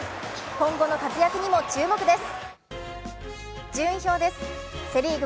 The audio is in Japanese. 今後の活躍にも注目です！